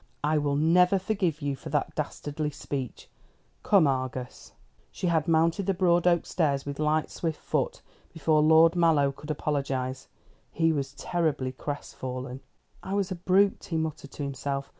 "I will never forgive you for that dastardly speech. Come, Argus." She had mounted the broad oak stairs with light swift foot before Lord Mallow could apologise. He was terribly crestfallen. "I was a brute," he muttered to himself.